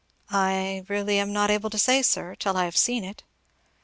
"I really am not able to say, sir, till I have seen it."